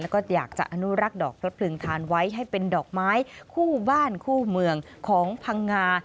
แล้วก็อยากจะอนุรักษ์ดอกพระเพลิงทานไว้ให้เป็นดอกไม้คู่บ้านคู่เมืองของพังงา